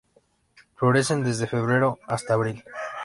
Florecen desde febrero hasta abril.